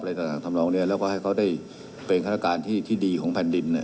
และให้เขาได้เป็นฆาตการที่ดีของแผ่นดิน